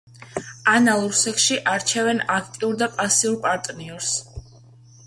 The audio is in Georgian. ანალურ სექსში არჩევენ აქტიურ და პასიურ პარტნიორს.